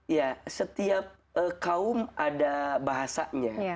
ya setiap kaum ada bahasanya